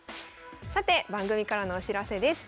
さて番組からのお知らせです。